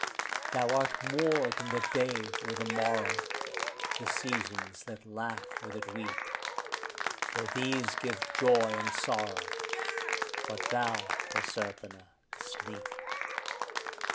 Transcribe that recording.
Thou art more than the day or the morrow, the seasons that laugh or that weep; For these give joy and sorrow; but thou, Proserpina, sleep.